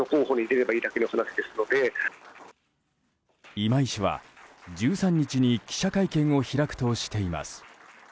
今井氏は１３日に記者会見を開くとしています。